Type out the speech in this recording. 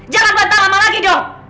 jangan bantal lama lagi dong